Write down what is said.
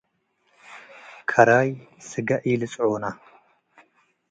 ከራይ ስጋ ኢልጽዖነ።